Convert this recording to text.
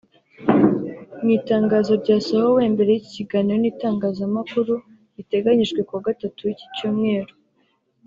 Mu itangazo ryasohowe mbere y’ikiganiro n’itangazamakuru giteganyijwe ku wa Gatatu w’ik Cyumweru